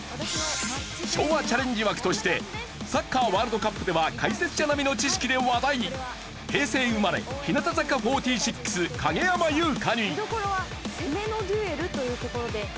昭和チャレンジ枠としてサッカーワールドカップでは解説者並みの知識で話題に平成生まれ見どころは「攻めのデュエル！」というところで。